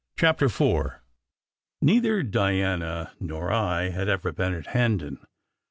CHAPTER IV NEITHER Diana nor I had ever been at Hendon.